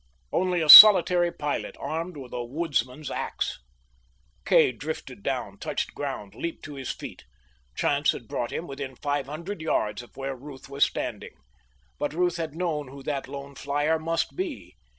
Only a solitary pilot, armed with a woodsman's ax. Kay drifted down, touched ground, leaped to his feet. Chance had brought him within five hundred yards of where Ruth was standing. But Ruth had known who that lone flyer must be.